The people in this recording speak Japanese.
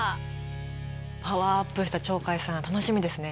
パワーアップした鳥海さん楽しみですね。